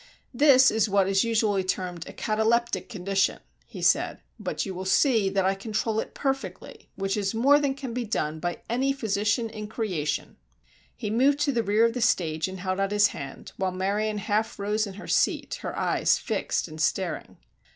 "This is what is usually termed a 'cataleptic' condition," he said, "but you will see that I control it perfectly, which is more than can be done by any physician in creation." He moved to the rear of the stage and held out his hand, while Marion half rose in her seat, her eyes fixed and staring.